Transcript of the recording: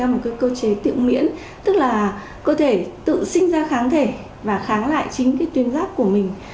đây là một cơ chế tự miễn tức là cơ thể tự sinh ra kháng thể và kháng lại chính tuyến giáp của mình